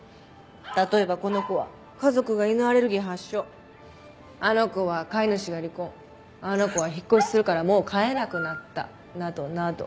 例えばこの子は家族が犬アレルギー発症あの子は飼い主が離婚あの子は引っ越しするからもう飼えなくなったなどなど。